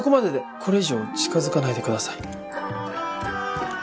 これ以上近づかないでください。